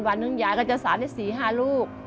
วันหนึ่งยายก็จะสารได้๔๕ลูก